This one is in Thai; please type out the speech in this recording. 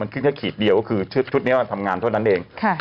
มันขึ้นแค่ขิดเดียวคือชุดนี้ทำงานเท่านั้นเอง